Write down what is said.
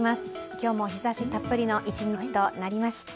今日も日ざしたっぷりの一日となりました。